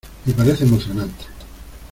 me parece emocionante.